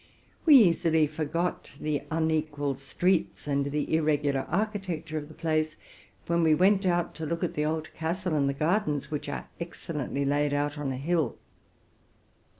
We easily forgot the unequal streets and the irregular architecture of the place when we went out to look at the old castle and the gardens, which are excellently laid out on a hill.